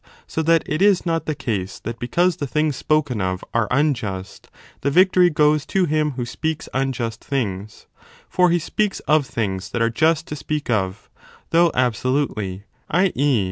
So that it is not the case that because the things spoken of are unjust, the victory goes to him who speaks unjust things : for he speaks of things that are just to speak of, though absolutely, i. e.